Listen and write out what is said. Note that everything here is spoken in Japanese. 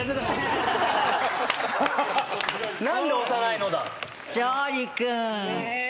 ・何で押さないの！？